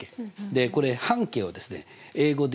でこれ半径をですね英語で言うと。